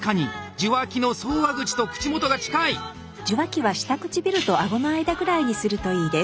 受話器は下唇とあごの間くらいにするといいです。